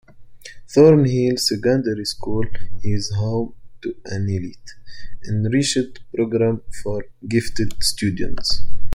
Thornhill Secondary School is home to an elite, enriched program for Gifted students.